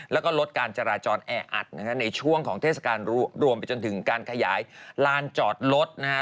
แล้วก็ลดการจราจรแออัดนะฮะในช่วงของเทศกาลรู้รวมไปจนถึงการขยายลานจอดรถนะฮะ